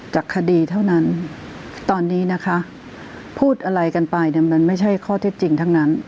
จากคดีเท่านั้นตอนนี้นะคะพูดอะไรกันไปเนี่ยมันไม่ใช่ข้อเท็จจริงทั้งนั้น